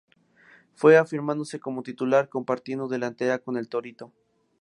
Fue afirmándose como titular, compartiendo delantera con el "Torito" Aguirre y Ernesto Vidal.